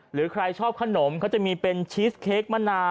หรือใครชอบขนมเขาจะมีเป็นชีสเค้กมะนาว